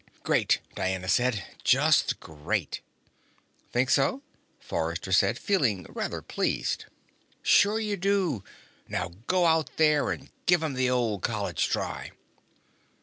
"Great," Diana said. "Just great." "Think so?" Forrester said, feeling rather pleased. "Sure you do. Now go out there and give 'em the old college try."